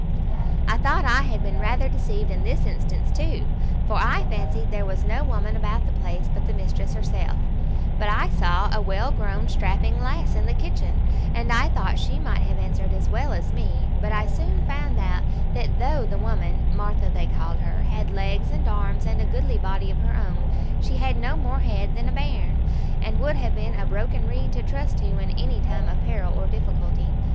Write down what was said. "I thought I had been rather deceived in this instance too, for I fancied there was no woman about the place but the mistress herself; but I saw a well grown strapping lass in the kitchen, and I thought she might have answered as well me; but I soon found out that though the woman (Martha they called her) had legs and arms and a goodly body of her own, she had no more head than a bairn, and would have been a broken reed to trust to in any time of peril or difficulty.